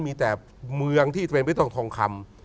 มีแต่เมืองที่เป็นพิสุทธิ์ทองคำ